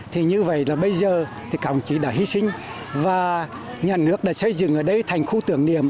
thì như vậy là bây giờ thì cảng chỉ đã hy sinh và nhà nước đã xây dựng ở đây thành khu tưởng niệm